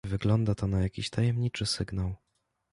"Wyglądało to na jakiś tajemniczy sygnał."